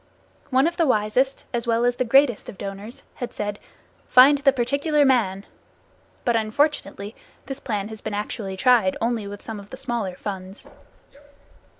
One of the wisest as well as the greatest of donors has said: "Find the particular man," but unfortunately, this plan has been actually tried only with some of the smaller funds.